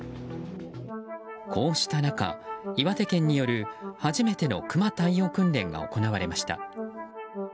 こうした中、岩手県による初めてのクマ対応訓練が行われました。